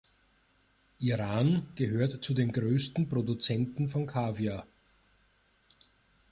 Iran gehört zu den größten Produzenten von Kaviar.